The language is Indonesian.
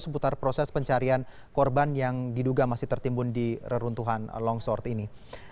seputar proses pencarian korban yang diduga masih tertimbun di reruntuhan longsor ini